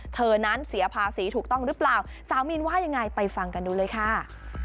เธอนั้นเสียภาษีถูกต้องหรือเปล่าสาวมีนว่ายังไงไปฟังกันดูเลยค่ะ